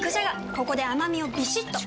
ここで甘みをビシッと！